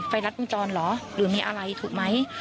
รัดวงจรเหรอหรือมีอะไรถูกไหม